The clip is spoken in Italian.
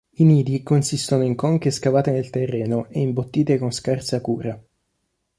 I nidi consistono in conche scavate nel terreno e imbottite con scarsa cura.